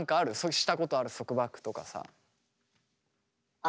したことある束縛とかさ。